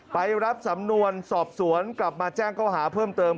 ไปรับสำนวนสอบสวนกลับมาแจ้งเขาหาเพิ่มเติม